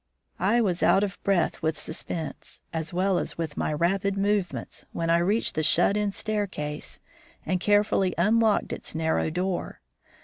I was out of breath with suspense, as well as with my rapid movements, when I reached the shut in staircase and carefully unlocked its narrow door.